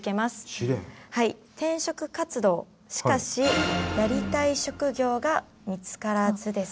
はい転職活動しかしやりたい職業が見つからずです。